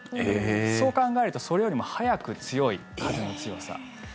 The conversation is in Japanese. そう考えるとそれよりも速く強い風の強さ。